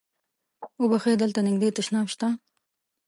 اوبښئ! دلته نږدې تشناب شته؟